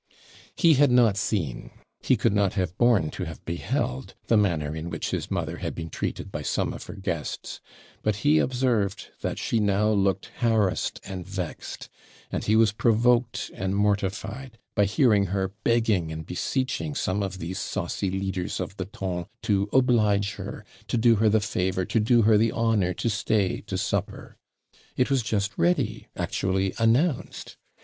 He had not seen he could not have borne to have beheld the manner in which his mother had been treated by some of her guests; but he observed that she now looked harassed and vexed; and he was provoked and mortified by hearing her begging and beseeching some of these saucy leaders of the ton to oblige her, to do her the favour, to do her the honour, to stay to supper. It was just ready actually announced.